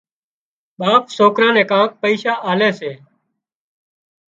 ٻاپ سوڪران نين ڪانڪ پئشا آلي سي